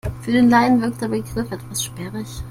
Für den Laien wirkt der Begriff etwas sperrig.